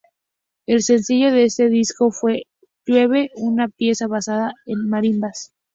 El sencillo de este disco fue "Llueve", una pieza basada en marimbas.